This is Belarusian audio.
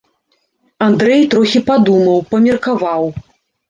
Андрэй трохі падумаў, памеркаваў.